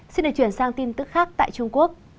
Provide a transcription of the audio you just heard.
xin được chuyển sang tin tức khác tại trung quốc